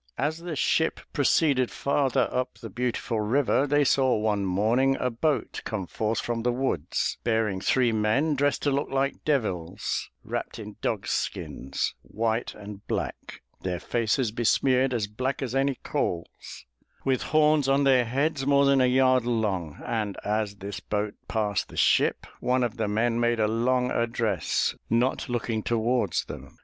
As the ship proceeded farther up the beautiful river, they saw one morning a boat come forth from the woods, bearing three men dressed to look like devils, wrapped in dogs' skins, white and black, their faces besmeared as black as any coals, with horns on their heads more than a yard long, and as this boat passed the ship, one of the men made a long address, not looking towards them.